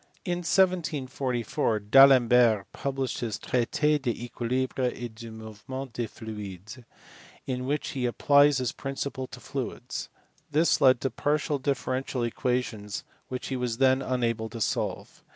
In 1744 D Alembert published his Traite de I equilibre et du mouvement des fluides, in which he applies his principle to fluids : this led to partial differential equations which he was then unable to solve.